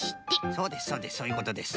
そうですそうですそういうことです。